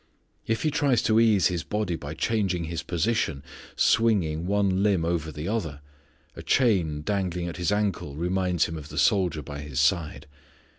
If he tries to ease his body by changing his position, swinging one limb over the other, a chain dangling at his ankle reminds him of the soldier by his side.